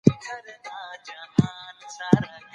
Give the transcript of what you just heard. لیمو د ویټامین سي ښه سرچینه ده.